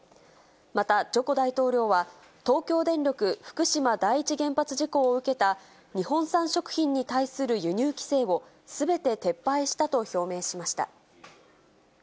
また、ジョコ大統領は、東京電力福島第一原発事故を受けた、日本産食品に対する輸入規制をすべて撤廃したと表明しました。